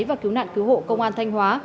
và cứu nạn cứu hộ công an thanh hóa